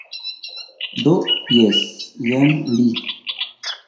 Do, jes jen li...